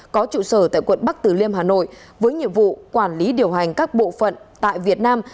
có trụ sở tại quận bắc tử liêm hà nội với nhiệm vụ quản lý điều hành các bộ phận tại việt nam